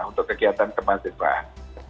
untuk kegiatan kemahasiswaan